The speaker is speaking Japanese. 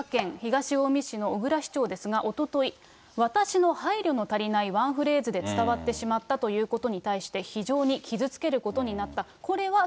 この滋賀県東近江市の小椋市長ですが、おととい、私の配慮の足りないワンフレーズで伝わってしまったということに対して、非常に傷つけることになった。